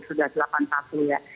sudah delapan satu ya